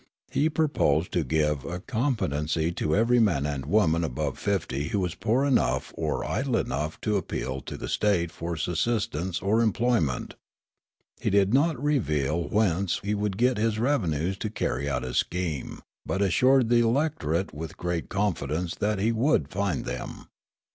He proposed Wotnekst 213 to give a competency to every man and woman above fifty who was poor enough or idle enough to appeal to the state for sustenance or employment. He did not reveal whence he would get his revenues to carry out his scheme, but assured the electorate with great con fidence that he would find them.